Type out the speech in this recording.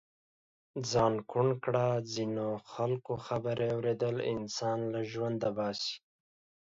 ځان ڪوڼ ڪړه د ځينو خلڪو خبرې اوریدل انسان له ژونده باسي.